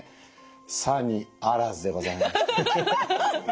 さにあらずでございまして。